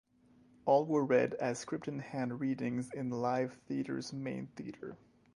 All were read as script-in-hand readings in Live Theatre's main theatre.